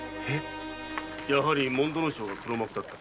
やはり主水正が黒幕だったか。